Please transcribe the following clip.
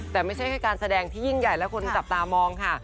แต่ไม่ใช่แค่การแสดงที่ยิ่งใหญ่และคนจับตามองค่ะ